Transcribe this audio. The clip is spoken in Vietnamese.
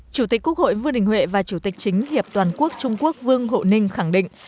chủ tịch quốc hội vương đình huệ và chủ tịch chính hiệp toàn quốc trung quốc vương hộ ninh khẳng định